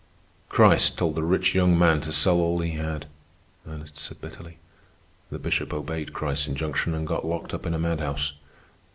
"Christ told the rich young man to sell all he had," Ernest said bitterly. "The Bishop obeyed Christ's injunction and got locked up in a madhouse.